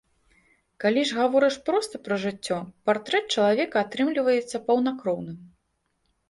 Калі ж гаворыш проста пра жыццё, партрэт чалавека атрымліваецца паўнакроўным.